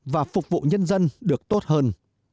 và phục vụ nhân dân được tốt hơn